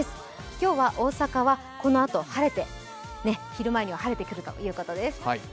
今日は大阪はこのあと晴れて昼前には晴れてくるということです。